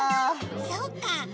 そっか。